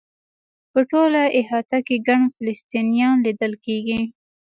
په ټوله احاطه کې ګڼ فلسطینیان لیدل کېږي.